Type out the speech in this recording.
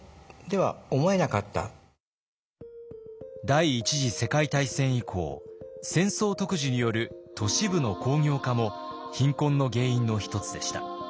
第一次世界大戦以降戦争特需による都市部の工業化も貧困の原因の一つでした。